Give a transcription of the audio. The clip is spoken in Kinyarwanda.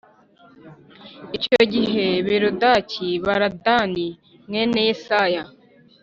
Icyo gihe Berodaki Baladani mwene yesaya